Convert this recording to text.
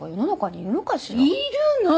いるの！